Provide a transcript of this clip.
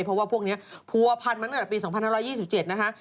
เพราะว่าพวกนี้ผัวพันมาตั้งแต่ปี๒๕๒๗นะคะ